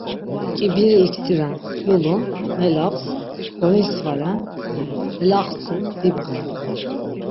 K̆ibiri iktiren; yulun, melaps, golinsvaren, elaxtsun, dibğen.